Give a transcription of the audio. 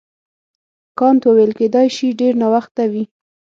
کانت وویل کیدای شي ډېر ناوخته وي.